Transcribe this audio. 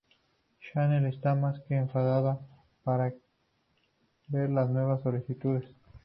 Chanel está más que enfadada para ver las nuevas solicitantes.